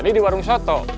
tadi di warung soto